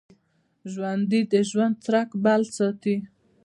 ژوندي د ژوند څرک بل ساتي